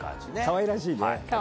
かわいらしいね。